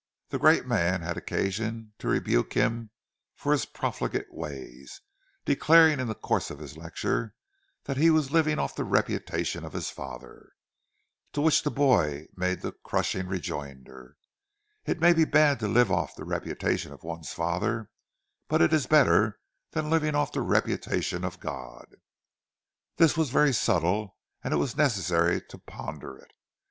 The great man had occasion to rebuke him for his profligate ways, declaring in the course of his lecture that he was living off the reputation of his father; to which the boy made the crushing rejoinder: "It may be bad to live off the reputation of one's father, but it's better than living off the reputation of God."—This was very subtle and it was necessary to ponder it.